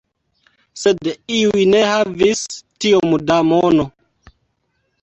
Sed iuj ne havis tiom da mono.